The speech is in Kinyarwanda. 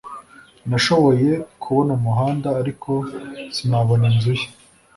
nashoboye kubona umuhanda, ariko sinabona inzu ye